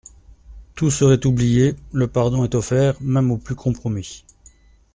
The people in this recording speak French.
Tout serait oublié, le pardon était offert même aux plus compromis.